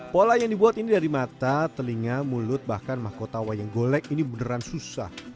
pola yang dibuat ini dari mata telinga mulut bahkan mahkota wayang golek ini beneran susah